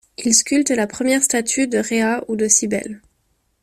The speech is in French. Il sculpte la première statue de Rhéa ou de Cybèle.